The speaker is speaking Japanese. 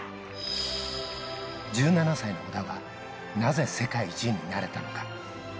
１７歳の小田は、なぜ世界一になれたのか。